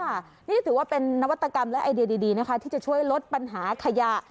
นี่ถือว่าเป็นนวัตกรรมและไอเดียดีนะคะที่จะช่วยลดปัญหาขยะ